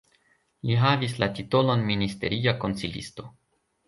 Li havis la titolon ministeria konsilisto.